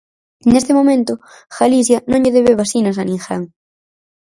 Neste momento Galicia non lle debe vacinas a ninguén.